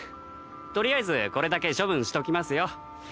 とりあえずこれだけ処分しときますよ。